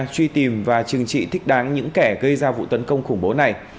truy tìm và chừng trị thích đáng những kẻ gây ra vụ tấn công khủng bố này